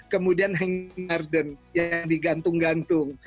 kemudian yang digantung gantung